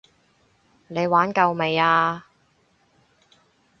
你玩夠未啊？